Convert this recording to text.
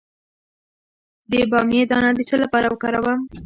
د بامیې دانه د څه لپاره وکاروم؟